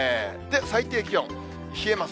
最低気温、冷えます。